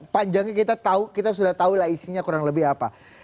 panjangnya kita sudah tahu lah isinya kurang lebih apa